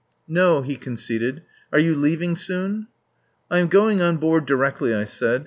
"No," he conceded. "Are you leaving soon?" "I am going on board directly," I said.